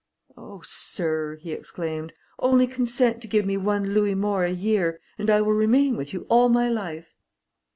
"Oh! Sir," he exclaimed, "only consent to give me one louis more a year, and I will remain with you all my life."